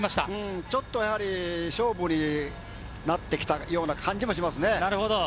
ちょっと勝負になってきたような感じもしますね。